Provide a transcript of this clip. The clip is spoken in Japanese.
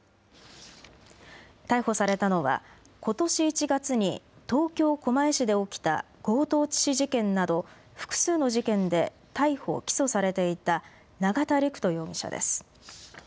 逮捕されたのは、ことし１月に東京・狛江市で起きた強盗致死事件など、複数の事件で逮捕・起訴されていた永田陸人容疑者です。